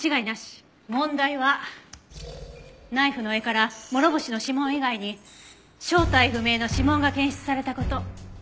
問題はナイフの柄から諸星の指紋以外に正体不明の指紋が検出された事。